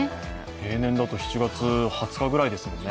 平年だと７月２０日ぐらいですもんね。